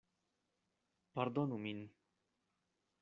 Pardonu min.